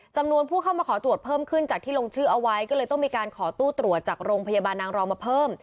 จำนวนผู้เข้ามาขอตรวจเพิ่มขึ้นจากที่ลงชื่อเอาไว้ก็เลยต้องมีการขอตู้ตรวจจากโรงพยาบาลนางรองมาเพิ่ม